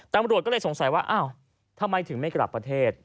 ตำรวจก็เลยสงสัยว่าอ้าวทำไมถึงไม่กลับประเทศ